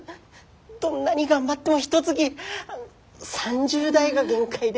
どんなに頑張ってもひとつき３０台が限界で。